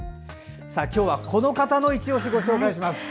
今日は、この方のいちオシご紹介します。